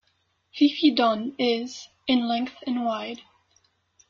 Phi Phi Don is : in length and wide.